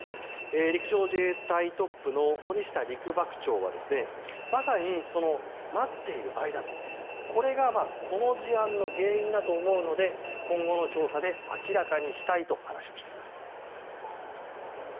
陸上自衛隊トップの森下陸幕長はまさに待っている間、これがこの事案の原因だと思うので今後の調査で明らかにしたいと話をしています。